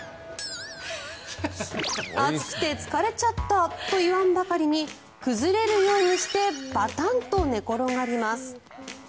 暑くて疲れちゃったと言わんばかりに崩れるようにしてバタンと寝転がります。